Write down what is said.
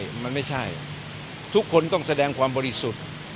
มันไม่ใช่ทุกคนต้องแสดงความบริสุทธิ์